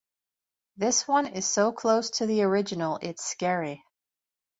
This one is so close to the original it's scary.